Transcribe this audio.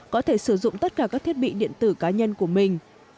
có thể sử dụng tất cả các thiết bị điện tử cá nhân của mình